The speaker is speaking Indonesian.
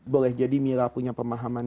boleh jadi mila punya pemahaman